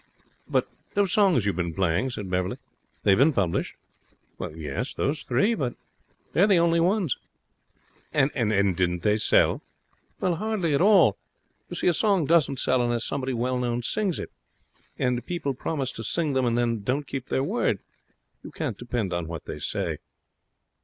'But those songs you've been playing,' said Beverley, 'they've been published?' 'Yes, those three. But they are the only ones.' 'And didn't they sell?' 'Hardly at all. You see, a song doesn't sell unless somebody well known sings it. And people promise to sing them, and then don't keep their word. You can't depend on what they say.'